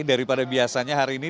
daripada biasanya hari ini